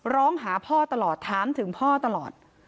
ร้องหาพ่อตลอดถามถึงพ่อตลอด